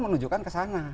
menunjukkan ke sana